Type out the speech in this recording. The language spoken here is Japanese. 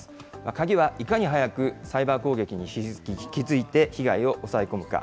鍵はいかに早くサイバー攻撃に気付いて被害を抑え込むか。